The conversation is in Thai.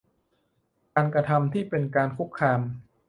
การกระทำที่เป็นการคุกคาม